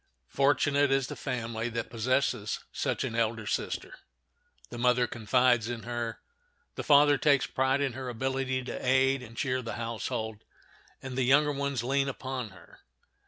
Fortunate is the family that possesses such an elder sister. The mother confides in her, the father takes pride in her ability to aid and cheer the household, and the younger ones lean upon her.